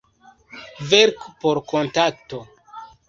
Verku por Kontakto!